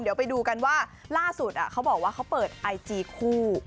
เดี๋ยวไปดูกันว่าล่าสุดเขาบอกว่าเขาเปิดไอจีคู่